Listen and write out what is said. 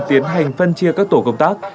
tiến hành phân chia các tổ công tác